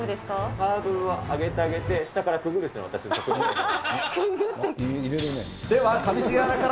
ハードルは上げてあげて、下からくぐるっていうのが私の得意技ですから。